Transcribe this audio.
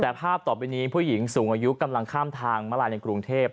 แต่ภาพต่อไปนี้ผู้หญิงสูงอายุกำลังข้ามทางมาลายในกรุงเทพ